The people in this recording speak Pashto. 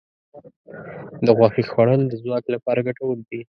د غوښې خوړل د ځواک لپاره ګټور دي.